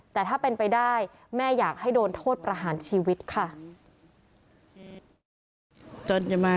แต่ถ้าเป็นไปได้แม่อยากให้โดนโทษประหารชีวิตค่ะ